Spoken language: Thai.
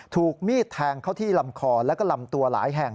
ถูกมีดแทงเข้าที่ลำคอแล้วก็ลำตัวหลายแห่ง